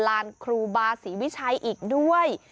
ลานครูบาศรีวิชัยอีกด้วย